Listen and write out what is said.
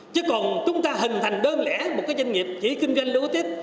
chứ còn chúng ta hình thành đơn lẽ một dân nghiệp chỉ kinh doanh lưu ký